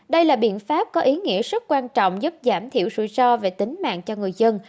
đây là biện pháp có ý nghĩa rất quan trọng giúp giảm thiểu sự so về tính mạng cho người dân